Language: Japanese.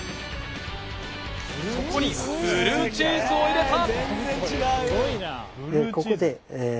そこにブルーチーズを入れた